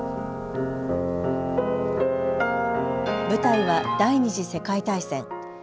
舞台は第２次世界大戦。